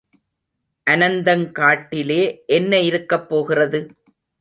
அனந்தங் காட்டிலே என்ன இருக்கப் போகிறது?